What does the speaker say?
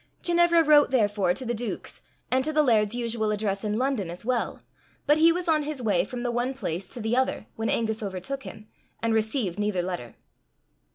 Ginevra wrote therefore to the duke's, and to the laird's usual address in London as well; but he was on his way from the one place to the other when Angus overtook him, and received neither letter.